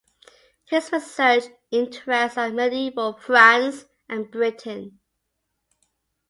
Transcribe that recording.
His research interests are medieval France and Britain.